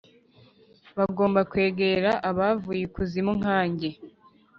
bagomba kwegera abavuye ikuzimu nka njye